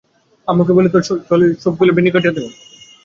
আম্মুকে বললে তোর চুলের সবগুলো বেনি কেটে দেব।